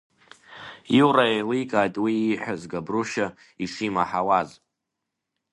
Иура еиликааит уи ииҳәаз Габрушьа ишимаҳауаз.